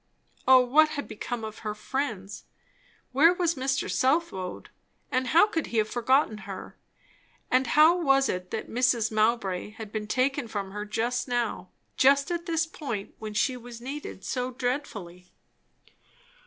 O what had become of her friends! Where was Mr. Southwode, and how could he have forgotten her? and how was it that Mrs. Mowbray had been taken from her just now, just at this point when she was needed so dreadfully?